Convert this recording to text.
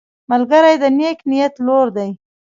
ملګری د نیک نیت لور دی